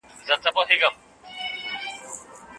هغه ماشومان چي پوښتني کوي ډېر ځیرک دي.